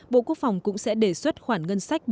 bộ quốc phòng cũng sẽ đề xuất các tên lửa đánh chặn patriot ba